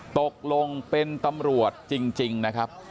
ตกลงเป็นตำรวจจริงนะครับ